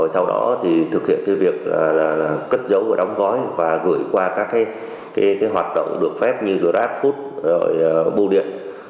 sau đó thực hiện việc cất dấu và đóng gói và gửi qua các hoạt động được phép như grab food bù điện